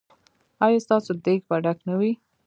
ایا ستاسو دیګ به ډک نه وي؟